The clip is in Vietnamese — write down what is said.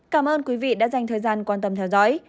cảm ơn quý vị đã dành thời gian quan tâm theo dõi